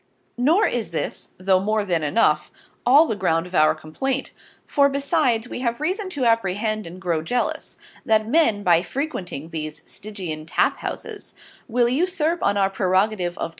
Nor is this (though more than enough) All the ground of our Complaint: For besides, we have reason to apprehend and grow Jealous, That Men by frequenting these Stygian Tap houses will usurp on our Prerogative of <<p.